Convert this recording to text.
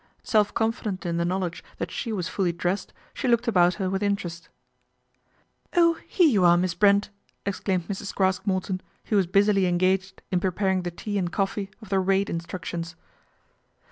Self confident in the knowledge that she was fully dressed, she looked about her with interest. " Oh, here you are, Miss Brent !" exclaimed Mrs. Craske Morton, who was busily engaged in preparing the tea and coffee of the " Raid Instruc tions."